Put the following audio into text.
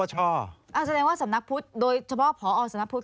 แสดงว่าสำนักพุทธโดยเฉพาะพอสำนักพุทธ